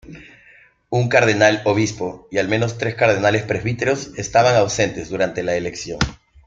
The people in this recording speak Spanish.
Un cardenal obispo y al menos tres cardenales presbíteros estaban ausentes durante la elección.